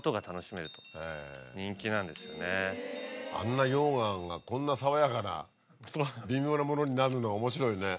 あんな溶岩がこんな爽やかな微妙なものになるのは面白いね。